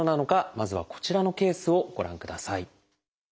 まずはこちらのケースをご覧ください。